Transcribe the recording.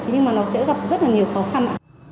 nhưng mà nó sẽ gặp rất là nhiều khó khăn ạ